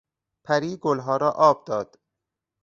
پری گلها را آب داد.